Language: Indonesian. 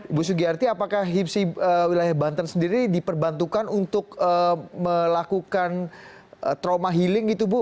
ibu sugiyarti apakah hipsi wilayah banten sendiri diperbantukan untuk melakukan trauma healing gitu bu